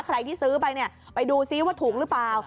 ใครที่ซื้อไปเนี่ยไปดูซิว่าถูกหรือเปล่า